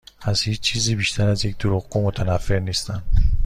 از هیچ چیزی بیشتر از یک دروغگو متنفر نیستم.